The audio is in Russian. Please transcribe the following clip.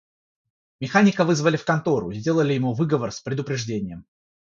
Механика вызвали в контору и сделали ему выговор с предупреждением.